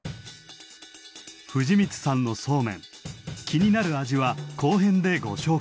藤満さんのそうめん気になる味は後編でご紹介。